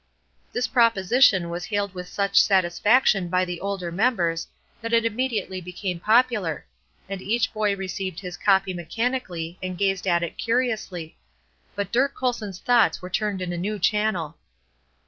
This proposition was hailed with such satisfaction by the older members that it immediately became popular, and each boy received his copy mechanically and gazed at it curiously: but Dirk Colson's thoughts were turned in a new channel.